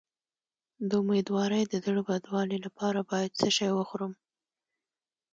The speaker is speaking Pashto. د امیدوارۍ د زړه بدوالي لپاره باید څه شی وخورم؟